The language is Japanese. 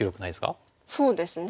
そうですね。